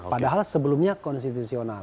padahal sebelumnya konstitusional